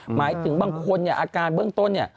หมายถึงบางคนเนี่ยอาการเบื้องต้นเนี่ย